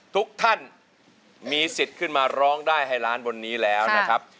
ทุกท่านมีสิทธิ์ขึ้นมาร้องได้ให้ล้านบนนี้แล้วนะครับ